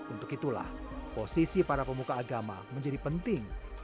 untuk itulah posisi para pemuka agama menjadi penting